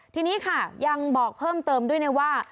ทีนี้ค่ะยังบอกเพิ่มเติมด้วยนะว่า